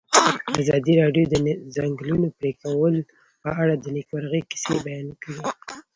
ازادي راډیو د د ځنګلونو پرېکول په اړه د نېکمرغۍ کیسې بیان کړې.